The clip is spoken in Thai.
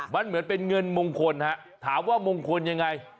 มันเหมือนเป็นเงินมงคลฮะถามว่ามงคลยังไง